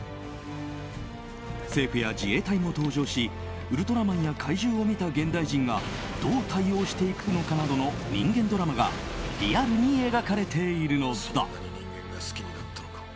政府や自衛隊も登場しウルトラマンや怪獣を見た現代人がどう対応していくのかなどの人間ドラマがリアルに描かれているのだ。